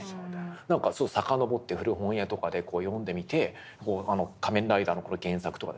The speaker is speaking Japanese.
何か遡って古本屋とかで読んでみて「仮面ライダー」の原作とかですね